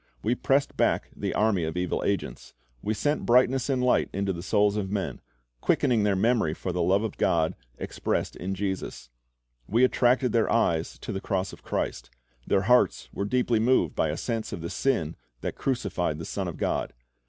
We pressed back the army of evil angels. We sent brightness and light into the souls of men, quickening their memory of the love of God expressed in Jesus. We attracted their eyes to the cross of Christ. Their hearts were deeply moved by a sense of the sin that crucified the Son of God.